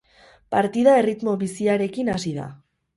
Partida erritmo biziarekin hasi da.